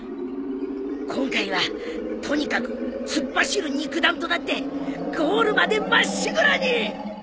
今回はとにかく突っ走る肉弾となってゴールまでまっしぐらに！